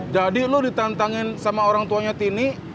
jadi lu ditantangin sama orang tuanya tini